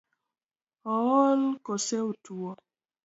Ool kose otuo?